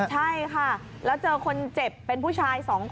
ใช่ค่ะแล้วเจอคนเจ็บเป็นผู้ชาย๒คน